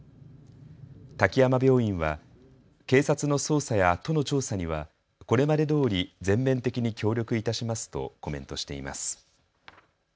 滝山病院は警察の捜査や都の調査にはこれまでどおり全面的に協力いたしますとコメントしています。